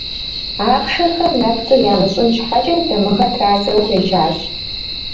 Ахъшэхэр нэпцӏу ямыщӏын щхьэкӏэ, дамыгъэ традзэу хуежьащ.